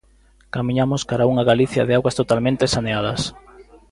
Camiñamos cara a unha Galicia de augas totalmente saneadas.